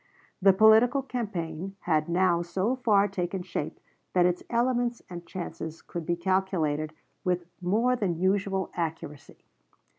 The political campaign had now so far taken shape that its elements and chances could be calculated with more than usual accuracy.